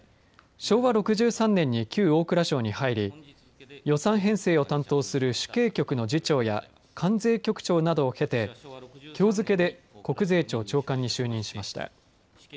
昭和６３年に旧大蔵省に入り予算編成を担当する主計局の次長や関税局長など経てきょう付けで国税庁長官に就任しました。